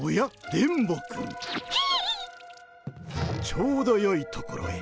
ちょうどよいところへ。